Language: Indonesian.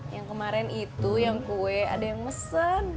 yang kemarin itu yang kue ada yang mesen